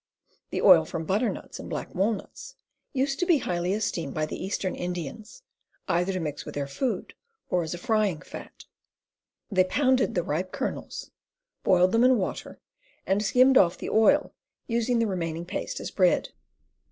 The oil from butternuts and black walnuts used to be highly esteemed by the eastern Indians, either to mix with their food, or as a frying fat. They pounded the ripe kernels, boiled them in water, and skimmed off the oil, using the remaining paste as bread.